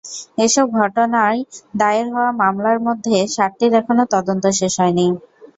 এসব ঘটনায় দায়ের হওয়া মামলার মধ্যে সাতটির এখনো তদন্ত শেষ হয়নি।